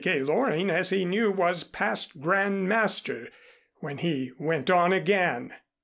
Loring, as he knew, was past grand master, when he went on again.